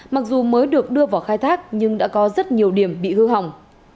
mặc dù mới được đưa vào khai thác nhưng đã có rất nhiều điểm bị hư hỏng